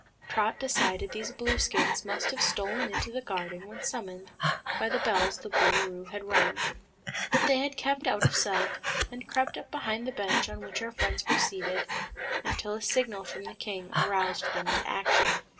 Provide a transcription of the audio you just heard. Trot decided these Blueskins must have stolen into the garden when summoned by the bells the Boolooroo had rung, but they had kept out of sight and crept up behind the bench on which our friends were seated, until a signal from the king aroused them to action.